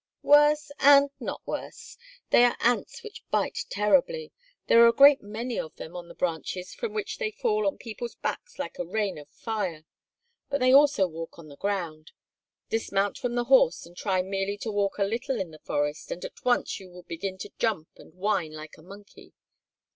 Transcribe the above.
"Worse and not worse. They are ants which bite terribly. There are a great many of them on the branches from which they fall on people's backs like a rain of fire. But they also walk on the ground. Dismount from the horse and try merely to walk a little in the forest and at once you will begin to jump and whine like a monkey.